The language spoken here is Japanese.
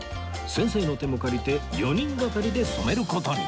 先生の手も借りて４人がかりで染める事に